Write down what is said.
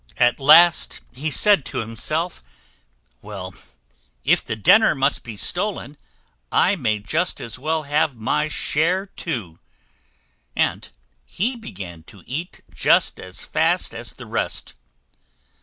At last he said to himself, "Well, if the dinner must be stolen, I may just as well have my share too;" and he began to eat just as fast as the rest.